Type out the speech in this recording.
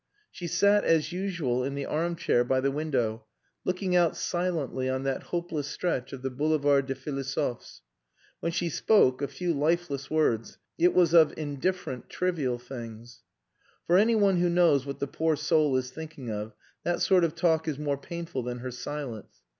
She sat, as usual, in the arm chair by the window, looking out silently on that hopeless stretch of the Boulevard des Philosophes. When she spoke, a few lifeless words, it was of indifferent, trivial things. "For anyone who knows what the poor soul is thinking of, that sort of talk is more painful than her silence.